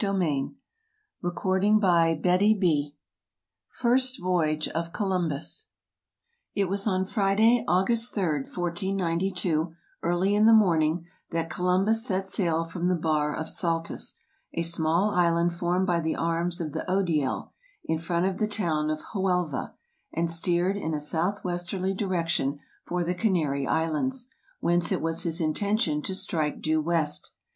'' And so it was done. THE EARLY EXPLORERS First Voyage of Columbus IT was on Friday, August 3, 1492, early in the morning, that Columbus set sail from the bar of Saltes, a small island formed by the arms of the Odiel, in front of the town of Huelva, and steered in a southwesterly direction for the Canary Islands, whence it was his intention to strike due west.